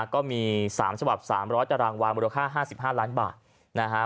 ก็มี๓ฉบับ๓๐๐ตารางวางมูลค่า๕๕ล้านบาทนะฮะ